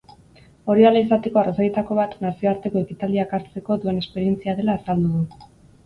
Hori hala izateko arrazoietako bat nazioarteko ekitaldiak hartzeko duen esperientzia dela azaldu du.